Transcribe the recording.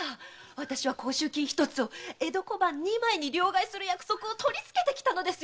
私は甲州金一つを江戸小判二枚に両替する約束を取り付けたのよ。